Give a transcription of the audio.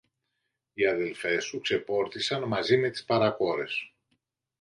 Οι αδελφές σου ξεπόρτισαν μαζί με τις παρακόρες.